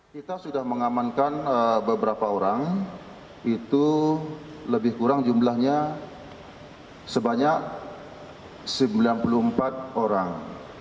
kita sudah mengamankan beberapa orang itu lebih kurang jumlahnya sebanyak sembilan puluh empat orang